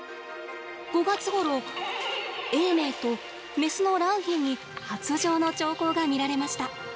５月ごろ永明とメスの良浜に発情の兆候が見られました。